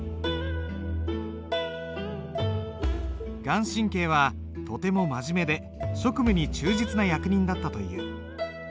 顔真はとても真面目で職務に忠実な役人だったという。